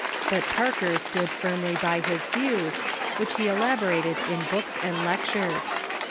But Parker stood firmly by his views, which he elaborated in books and lectures.